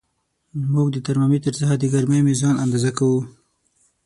موږ د ترمامتر څخه د ګرمۍ میزان اندازه کوو.